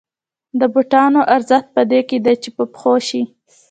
د بوټانو ارزښت په دې کې دی چې په پښو شي